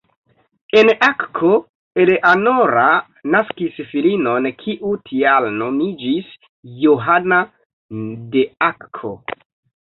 En Akko Eleanora naskis filinon, kiu tial nomiĝis Johana de Akko.